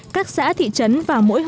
các xã thị trấn và mỗi hội gia đình